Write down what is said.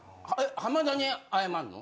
浜田に謝んの？